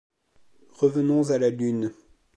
Revenons à la Lune.